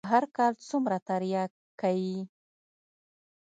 هر کال څومره ترياک کيي.